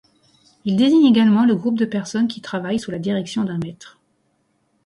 Il désigne également le groupe de personnes qui travaillent sous la direction d'un maître.